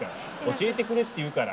教えてくれって言うから。